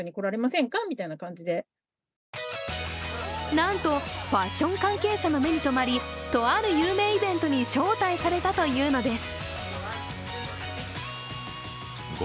なんと、ファッション関係者の目にとまりとある有名イベントに招待されたというのです。